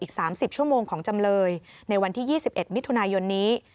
๓๐ชั่วโมงของจำเลยในวันที่๒๑มิถุนายนนี้